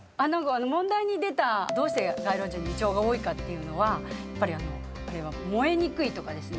問題に出たどうして街路樹にイチョウが多いかっていうのはあれは燃えにくいとかですね